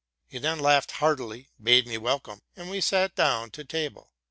'' He then laughed heartily, bade me welcome, and we sat down to table.